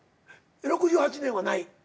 ６８年はない。